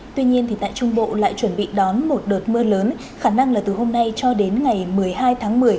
tuy nhiên tại trung bộ lại chuẩn bị đón một đợt mưa lớn khả năng là từ hôm nay cho đến ngày một mươi hai tháng một mươi